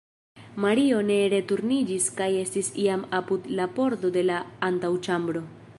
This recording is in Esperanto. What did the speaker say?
Mario ne returniĝis kaj estis jam apud la pordo de la antaŭĉambro.